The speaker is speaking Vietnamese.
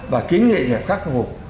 và kính nghệ nghiệp khắc phục